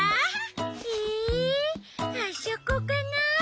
えあそこかな？